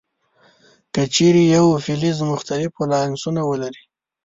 که چیرې یو فلز مختلف ولانسونه ولري.